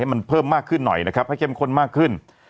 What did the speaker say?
มันเพิ่มมากขึ้นหน่อยนะครับให้เข้มข้นมากขึ้น